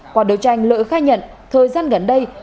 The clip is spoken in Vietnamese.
qua đấu tranh lợi khai nhận thời gian gần đây